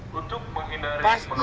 pasti kami melayat